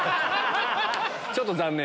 ちょっと残念。